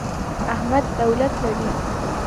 احمد دولت لري.